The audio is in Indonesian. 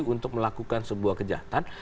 untuk melakukan sebuah kejahatan